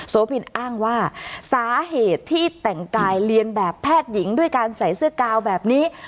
โพินอ้างว่าสาเหตุที่แต่งกายเรียนแบบแพทย์หญิงด้วยการใส่เสื้อกาวแบบนี้